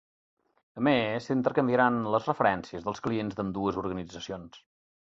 A més, s'intercanviaran les referències dels clients d'ambdues organitzacions.